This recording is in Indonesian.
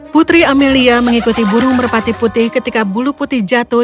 putri amelia mengikuti burung merpati putih ketika bulu putih jatuh